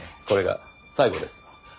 これが最後です。